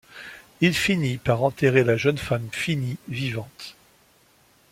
Il finit par enterrer la jeune femme finit vivante.